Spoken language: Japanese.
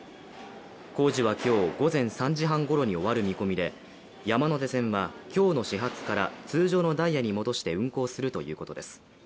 工事は今日午前３時半ごろに終わる見込みで山手線は今日の始発から通常のダイヤに戻して運行するということです。